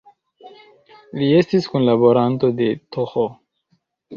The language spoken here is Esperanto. Li estis kunlaboranto de Th.